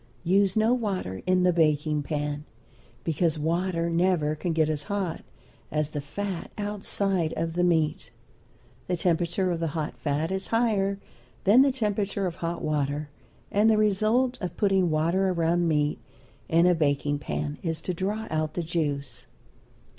Use no water in the baking pan, because water never can get as hot as the fat outside of the meat. The temperature of the hot fat is higher than the temperature of hot water, and the result of putting water around meat in a baking pan is to draw out the juice.